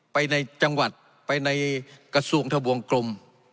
ในจังหวัดไปในกระทรวงทะวงกลม